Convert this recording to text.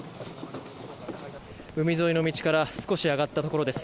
海沿いの道から少し上がったところです。